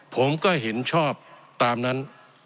ผมก็เห็นชอบตามนั้น